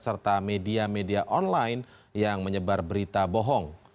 serta media media online yang menyebar berita bohong